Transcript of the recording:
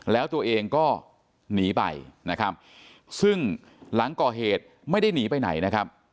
แล้วตัวเองก็หนีไปนะครับซึ่งหลังก่อเหตุไม่ได้หนีไปไหนนะครับ